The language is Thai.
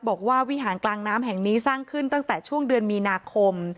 วิหารกลางน้ำแห่งนี้สร้างขึ้นตั้งแต่ช่วงเดือนมีนาคม